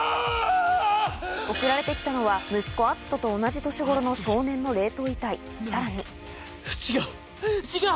送られて来たのは息子篤斗と同じ年頃の少年のさらに違う違う！